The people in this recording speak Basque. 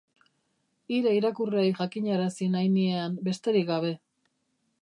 Hire irakurleei jakinarazi nahi niean, besterik gabe.